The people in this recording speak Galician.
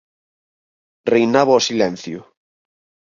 Reinaba o silencio.